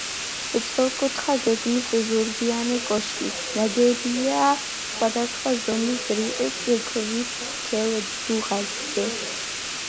სწორკუთხა გეგმის ზურგიანი კოშკი, ნაგებია სხვადასხვა ზომის რიყის ქვით სქელ დუღაბზე.